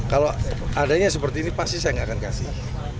kalau adanya seperti ini pasti saya nggak akan kasih